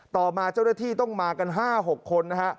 ต่อมาเจ้าหน้าที่ต้องมากัน๕๖คนนะฮะ